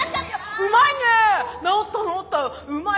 うまいねえ！